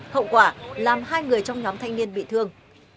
hậu quả làm hai người trong nhóm thanh niên bị thương